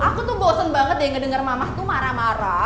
aku tuh bosen banget deh ngedengar mamah tuh marah marah